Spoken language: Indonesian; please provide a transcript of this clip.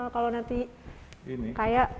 kalau nanti kayak